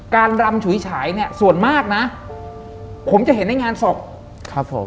รำฉุยฉายเนี่ยส่วนมากนะผมจะเห็นในงานศพครับผม